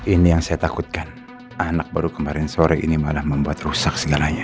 ini yang saya takutkan anak baru kemarin sore ini malah membuat rusak segalanya